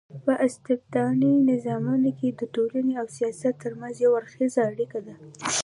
په استبدادي نظامونو کي د ټولني او سياست ترمنځ يو اړخېزه اړيکه ده